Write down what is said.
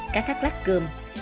cá thác lát cường